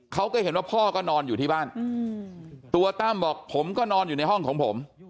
เขาก็เห็นว่าพ่อก็นอนอยู่ที่บ้านตัวตั้มบอกผมก็นอนอยู่ในห้องของผม